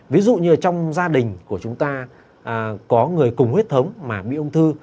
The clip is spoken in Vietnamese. ví dụ như trong gia đình của chúng ta có người cùng huyết thống mà bị ung thư